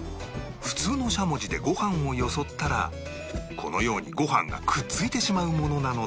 普通のしゃもじでご飯をよそったらこのようにご飯がくっついてしまうものなのだが